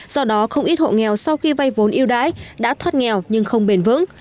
do đó không ít hộ nghèo sau khi vây vốn yêu đáy đã thoát nghèo nhưng không bền vững